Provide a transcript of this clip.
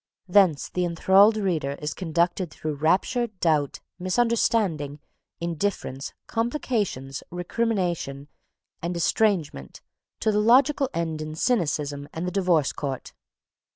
Thence the enthralled reader is conducted through rapture, doubt, misunderstanding, indifference, complications, recrimination, and estrangement to the logical end in cynicism and the divorce court.